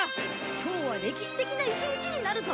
今日は歴史的な一日になるぞ。